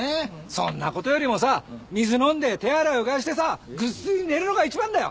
そんな事よりもさ水飲んで手洗いうがいしてさぐっすり寝るのが一番だよ！